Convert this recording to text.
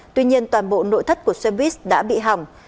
tuy nhiên toàn bộ nội thất của xe buýt đã bị hỏng